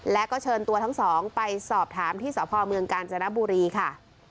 และก็เชิญตัวทั้งสองไปสอบถามที่สพเมืองกาญจนบุรีค่ะ